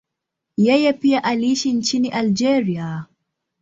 Yeye pia aliishi nchini Algeria.